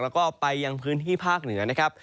แล้วก็ไปยังพื้นที่ภาคเหนือนะครับ